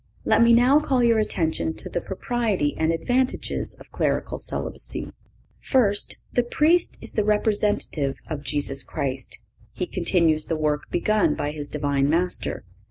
Let me now call your attention to the propriety and advantages of clerical celibacy. First—The Priest is the representative of Jesus Christ. He continues the work begun by his Divine Master.